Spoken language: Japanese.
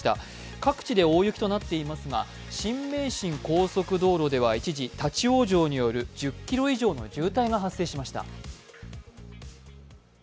各地で大雪となっていますが新名神高速道路では一時立往生による１０ｋｍ以上の渋滞が発生しました。